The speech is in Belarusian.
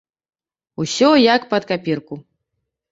Усё як пад капірку!